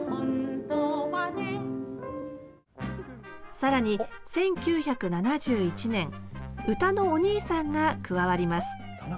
更に１９７１年歌のお兄さんが加わります。